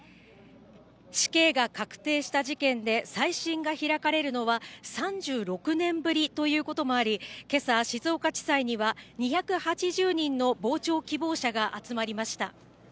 死刑が確定した事件で再審が開かれるのは３６年ぶりということもあり、今朝、静岡地裁には２８０人の傍聴希望者が集まりました。